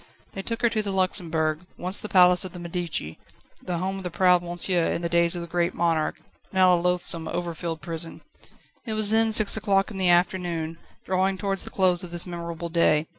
They took her to the Luxembourg, once the palace of the Medici, the home of proud "Monsieur" in the days of the Great Monarch, now a loathsome, overfilled prison. It was then six o'clock in the afternoon, drawing towards the close of this memorable day.